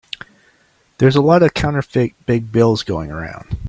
There's a lot of counterfeit big bills going around.